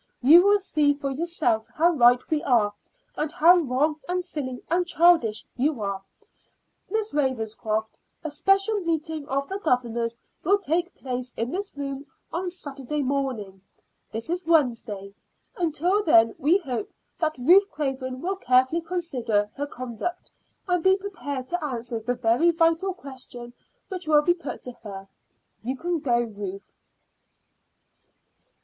You will see for yourself how right we are, and how wrong and silly and childish you are. Miss Ravenscroft, a special meeting of the governors will take place in this room on Saturday morning. This is Wednesday. Until then we hope that Ruth Craven will carefully consider her conduct, and be prepared to answer the very vital questions which will be put to her. You can go, Ruth."